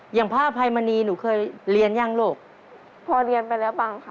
อย่างพระอภัยมณีหนูเคยเรียนยังลูก